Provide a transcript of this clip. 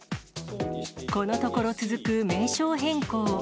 このところ続く名称変更。